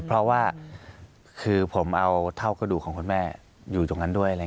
เพราะว่าคือผมเอาเท่ากระดูกของคุณแม่อยู่ตรงนั้นด้วย